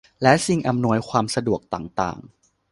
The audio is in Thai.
และสิ่งอำนวยความสะดวกต่างต่าง